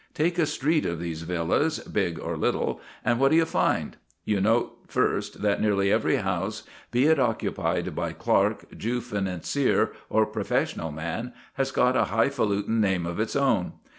Take a street of these villas, big or little, and what do you find? You note, first, that nearly every house, be it occupied by clerk, Jew financier, or professional man, has got a highfalutin name of its own.